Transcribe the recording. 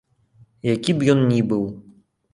Які б ён ні быў.